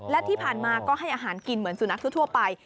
และที่ผ่านมาก็ให้อาหารกินเหมือนสุนัขทั่วไป